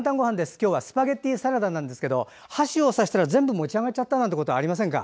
今日はスパゲッティサラダなんですが箸で持ち上げると全部持ち上がっちゃうなんてことありませんか。